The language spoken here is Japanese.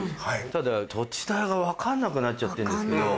ただ土地代が分かんなくなっちゃってんですけど。